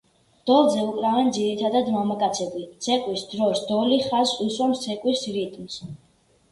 დოლზე უკრავენ ძირითადად მამაკაცები; ცეკვის დროს დოლი ხაზს უსვამს ცეკვის რიტმს.